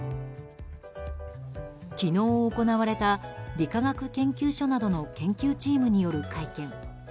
昨日行われた理化学研究所などの研究チームによる会見。